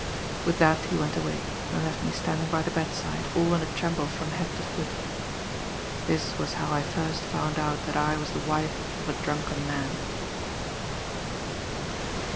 With that he went away, and left me standing by the bedside, all in a tremble from head to foot. "This was how I first found out that I was the wife of a drunken man."